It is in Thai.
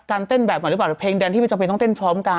การเต้นแบบเหมือนหรือเปล่าเพลงแดนที่มีจังเพลงต้องเต้นพร้อมกัน